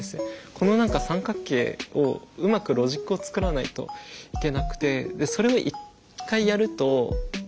この何か三角形をうまくロジックをつくらないといけなくて。